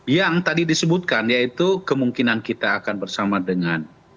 yang tadi disebutkan yaitu kemungkinan kita akan bersama dengan